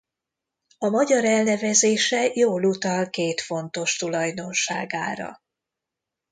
A magyar elnevezése jól utal két fontos tulajdonságára.